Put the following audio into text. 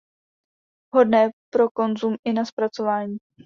Vhodné pro konzum i na zpracování.